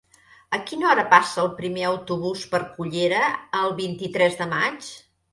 A quina hora passa el primer autobús per Cullera el vint-i-tres de maig?